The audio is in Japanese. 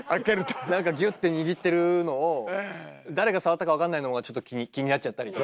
なんかギュッて握ってるのを誰が触ったか分かんないのがちょっと気になっちゃったりとか。